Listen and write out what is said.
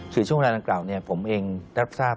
สูตรช่วงวัดอันกราวนี้ผมเองรับทราบ